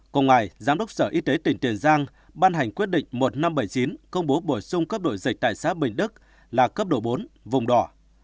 cùng ngày giám đốc sở y tế tỉnh tiền giang ban hành quyết định một nghìn năm trăm bảy mươi chín công bố bổ sung cấp đội dịch tại xã bình đức là cấp độ bốn vùng đỏ